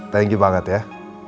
thank you banget ya